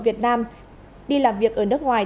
việt nam đi làm việc ở nước ngoài